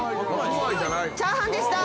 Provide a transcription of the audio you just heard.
チャーハンでした。